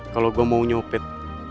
kalau gue mau nyupit